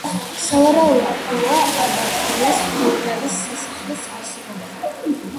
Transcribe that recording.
სავარაუდოა ამ ადგილას ფეოდალის სასახლის არსებობა.